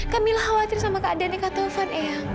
kak mila khawatir sama keadaannya kak taufan eyang